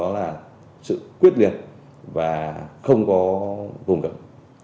là một kết quả rất quyết liệt và không có gồm gặp